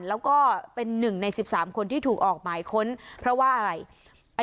แล้วก็เป็นหนึ่งใน๑๓คนที่ถูกออกหมายค้นเพราะว่าอะไร